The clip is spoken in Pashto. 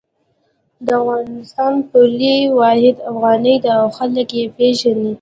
د افغانستان پولي واحد افغانۍ ده او خلک یی پیژني